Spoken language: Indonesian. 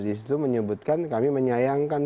disitu menyebutkan kami menyayangkan